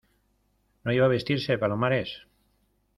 ¿ no iba a vestirse Palomares?